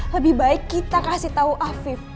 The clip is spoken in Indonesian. lebih baik kita kasih tahu afif